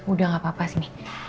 udah gak apa apa sih